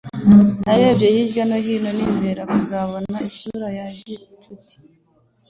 Narebye hirya no hino nizeye kuzabona isura ya gicuti.